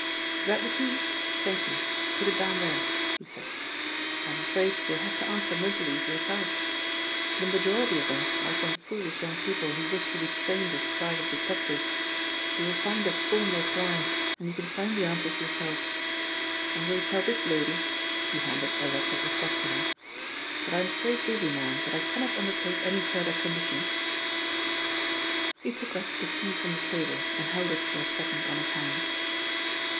"Is that the key? Thank you. Put it down there," he said. "I am afraid you will have to answer most of these yourself. The majority of them are from foolish young people who wish to be trained as private detectives. You will find a form reply, and you can sign the answers yourself. And will you tell this lady," he handed a letter across to her, "that I am so busy now that I cannot undertake any further commissions?" He took up the key from the table and held it for a second on his hand.